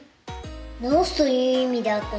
「治す」という意味であったな